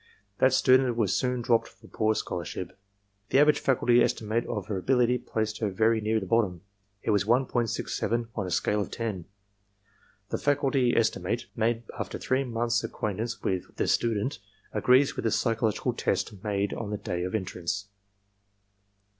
That student was soon dropped for poor scholarship. The average faculty estimate of her ability placed her very near the bottom. It was 1.67 on a scale of ten. The faculty estimate, made after three months' ac quaintance with tne student, agrees with the psychological test made on the day of entrance.